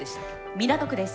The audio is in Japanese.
港区です。